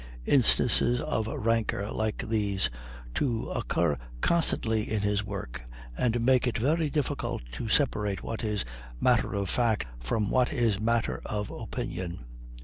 Instances of rancor like these two occur constantly in his work, and make it very difficult to separate what is matter of fact from what is matter of opinion.